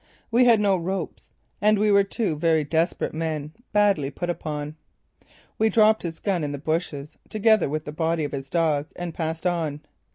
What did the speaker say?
We had no ropes. And we were two very desperate men, badly put upon. We dropped his gun in the bushes, together with the body of his dog; and passed on.